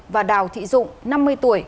và đào thị dụng năm mươi tuổi